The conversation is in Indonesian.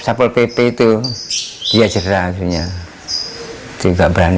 fia pun berharap dapat terus membahagiakan keluarga